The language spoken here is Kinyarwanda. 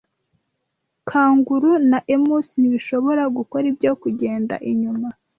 Kanguru na Emus ntibishobora gukora ibyo Kugenda inyuma